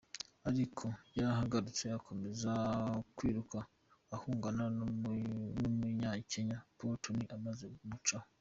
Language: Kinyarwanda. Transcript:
Ariko yarahagurutse akomeza kwiruka ahangana n'umunyakenya Paul Tanui maze amucaho.